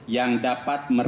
yang dapat dihormati